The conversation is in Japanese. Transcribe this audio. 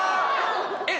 えっ？